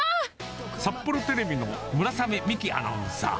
札幌テレビの村雨美紀アナウンサー。